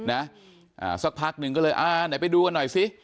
นะอ่าสักพักหนึ่งก็เลยอ่าไหนไปดูกันหน่อยสิ